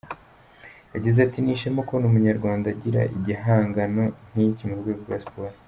Yagize ati “Ni ishema kubona Umunyarwanda agira igihangano nk’iki mu rwego rwa siporo.